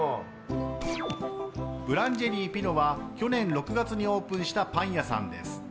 ブランジェリーピノは去年６月にオープンしたパン屋さんです。